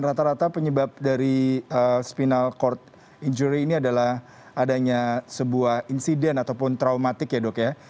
rata rata penyebab dari spinal cord injury ini adalah adanya sebuah insiden ataupun traumatik ya dok ya